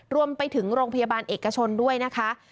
รวมไปถึงโรงพยาบาลเอกชนด้วยนะคะ